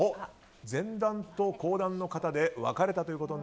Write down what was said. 前段と後段の方で別れました。